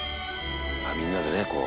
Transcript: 「みんなでねこう」